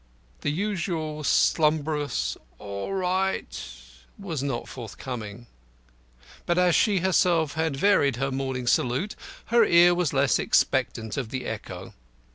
The usual slumbrous "All right" was not forthcoming; but, as she herself had varied her morning salute, her ear was less expectant of the echo.